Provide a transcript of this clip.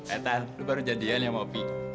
ethan lu baru jadian ya sama ovi